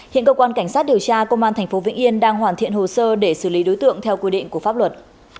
hiện cơ quan cảnh sát điều tra công an tp vĩnh yên đang hoàn thiện hồ sơ để xử lý đối tượng theo quy định của pháp luật